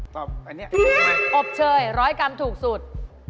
ตอบอันนี้อบเชย๑๐๐กรัมถูกสุด